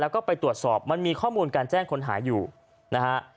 แล้วก็ไปตรวจสอบมันมีข้อมูลการแจ้งคนหายอยู่นะฮะ